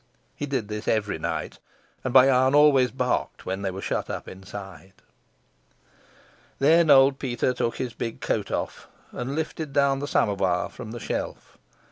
He did this every night, and Bayan always barked when they were shut up inside. Then old Peter took his big coat off and lifted down the samovar from the shelf.